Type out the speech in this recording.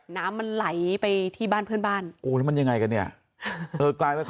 น้ำมันไหลไปที่บ้านเพื่อนบ้านโอ้แล้วมันยังไงกันเนี่ย